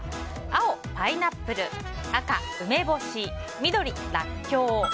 青、パイナップル赤、梅干し緑、らっきょう。